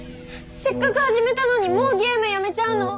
せっかく始めたのにもうゲームやめちゃうの？